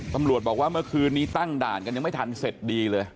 ตำรวจบอกว่าเมื่อคืนนี้ตั้งด่านกันยังไม่ทันเสร็จดีเลย